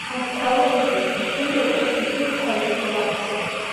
Агха ыҟазар, ихымҩакәа, иԥыххаа ижәгаларц!